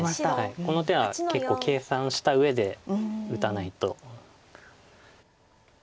この手は結構計算したうえで打たないと。